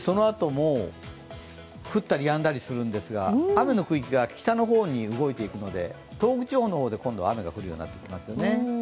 そのあとも降ったりやんだりするんですが雨の区域が北の方へ動いていくので東北地方の方で今度は雨が降るようになりますよね。